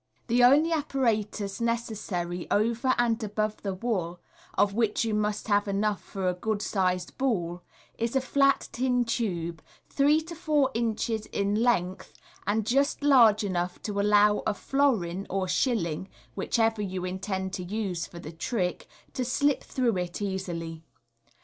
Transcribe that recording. The only appa s necessary over and above the wool (of which you must have enough for a good sized ball), is a flat tin tube, three to four inches in length, and just large enough to allow a florin or shilling (whichever you intend to use for the trick) to slip through it easily.